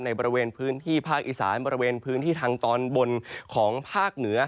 บริเวณพื้นที่ภาคอีสานบริเวณพื้นที่ทางตอนบนของภาคเหนือ